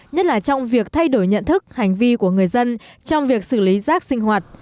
nhất là trong việc thay đổi nhận thức hành vi của người dân trong việc xử lý rác sinh hoạt